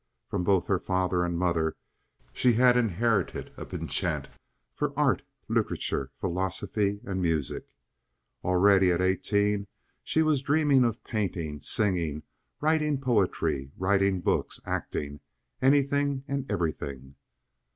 From both her father and mother she had inherited a penchant for art, literature, philosophy, and music. Already at eighteen she was dreaming of painting, singing, writing poetry, writing books, acting—anything and everything.